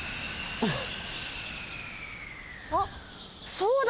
あっそうだ。